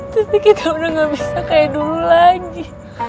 tapi kita udah gak bisa kayak dulu lagi